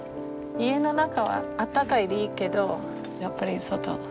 家の中はあったかいでいいけどやっぱり外。